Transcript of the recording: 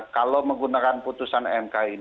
kalau menggunakan putusan nk